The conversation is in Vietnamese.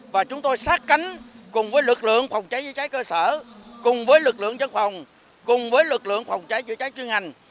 và chúng tôi sát cánh cùng với lực lượng phòng cháy chữa cháy cơ sở cùng với lực lượng chất phòng cùng với lực lượng phòng cháy chữa cháy chuyên ngành